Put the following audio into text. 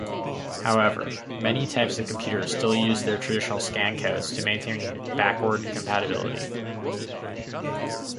However, many types of computers still use their traditional scancodes to maintain backward compatibility.